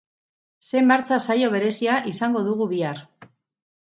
Ze martxa saio berezia izango dugu bihar.